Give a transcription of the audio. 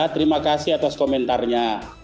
terima kasih atas komentarnya